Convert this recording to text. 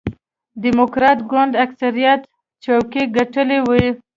ډیموکراټ ګوند اکثریت څوکۍ ګټلې وې.